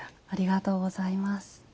ありがとうございます。